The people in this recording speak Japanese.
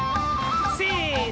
せの。